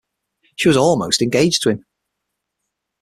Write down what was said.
She was almost engaged to him.